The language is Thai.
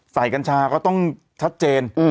กัญชาก็ต้องชัดเจน